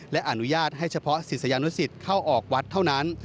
และอนุญาตให้เฉพาะศิษยานุสิตเข้าออกวัดเท่านั้น